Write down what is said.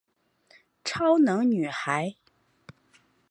超能女孩。